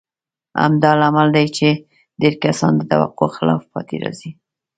همدا لامل دی چې ډېر کسان د توقع خلاف پاتې راځي.